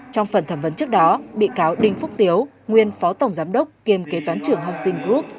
trong phần thẩm vấn trước đó bị cáo đinh phúc tiếu nguyên phó tổng giám đốc kiêm kế toán trưởng học sinh group